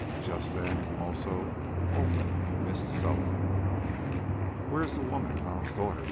Just then, also, Olfan missed Soa. "Where is the woman, Nam's daughter?"